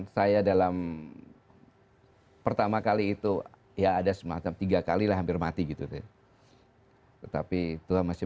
saya dalam pertama kali itu ya ada semacam tiga kali lah hampir mati gitu tetapi tuhan masih